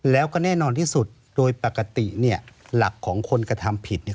แล้วก็แน่นอนที่สุดโดยปกติเนี่ยหลักของคนกระทำผิดเนี่ย